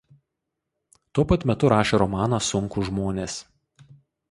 Tuo pat metu rašė romaną "Sunkūs žmonės".